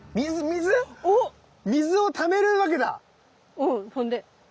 うんほんで？